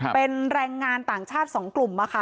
เป็นแรงงานต่างชาติ๒กลุ่ม